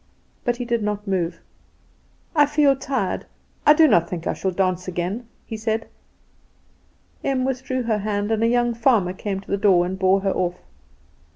But he did not move. "I feel tired; I do not think I shall dance again," he said. Em withdrew her hand, and a young farmer came to the door and bore her off.